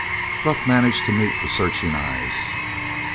Buck managed to meet the searching eyes.